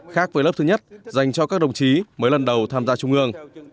khác với lớp thứ nhất dành cho các đồng chí mới lần đầu tham gia trung ương